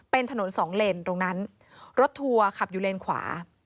เป็นถนนสองเลนตรงนั้นรถทัวร์ขับอยู่เลนขวา